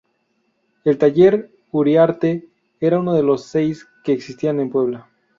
El taller Uriarte era uno los seis que existían en Puebla.